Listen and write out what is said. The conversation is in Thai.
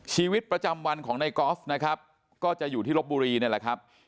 ชีวิตประจำวันของในกอล์ฟนะครับก็จะอยู่ที่ลบบุรีนี่แหละครับ